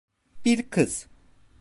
Bir kız.